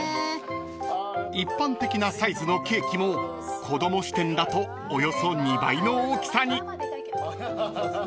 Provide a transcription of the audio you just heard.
［一般的なサイズのケーキも子供視点だとおよそ２倍の大きさに］